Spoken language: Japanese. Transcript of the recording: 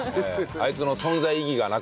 あいつの。